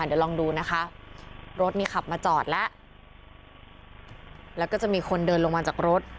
เดี๋ยวลองดูนะคะรถนี่ขับมาจอดแล้วแล้วก็จะมีคนเดินลงมาจากรถ